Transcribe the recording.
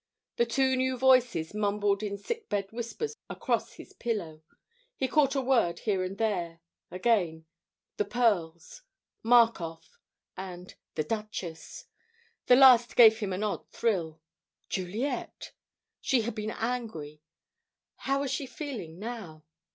The two new voices mumbled in sick bed whispers across his pillow. He caught a word here and there: again "the pearls," "Markoff," and "the Duchess." The last gave him an odd thrill. Juliet! She had been angry. How was she feeling now?